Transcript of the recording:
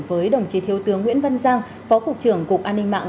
với đồng chí thiếu tướng nguyễn văn giang phó cục trưởng cục an ninh mạng